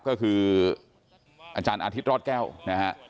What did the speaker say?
ก็คืออาจารย์อาทิตย์รอดแก้วนะฮะ